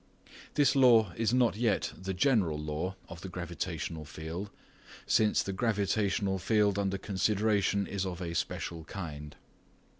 This law is not yet the general law of the gravitational field, since the gravitational field under consideration is of a special kind.